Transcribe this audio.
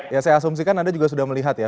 ya saya asumsikan anda juga sudah melihat ya